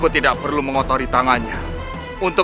siliwangi aku mau belajar